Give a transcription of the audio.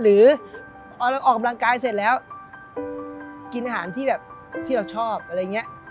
หรือพอเราออกกำลังกายเสร็จแล้วกินอาหารที่แบบที่เราชอบอะไรอย่างนี้